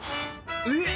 えっ！